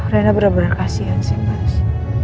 rena bener bener kasian sih mas